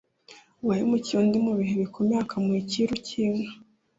Uwahemukiye undi mu bintu bikomeye, akamuha icyiru cy'inka.